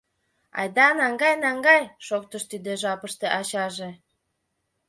— Айда наҥгай, наҥгай, — шоктыш тиде жапыште ачаже.